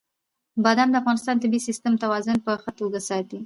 بادام د افغانستان د طبعي سیسټم توازن په ښه توګه ساتي.